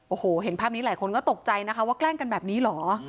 โอ้โหเห็นภาพนี้หลายคนก็ตกใจนะคะว่าแกล้งกันแบบนี้เหรอ